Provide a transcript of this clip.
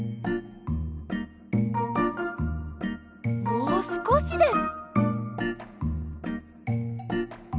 もうすこしです。